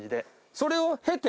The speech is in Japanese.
それを経て？